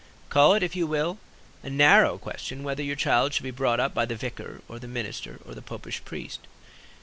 Call it, if you will, a narrow question whether your child shall be brought up by the vicar or the minister or the popish priest.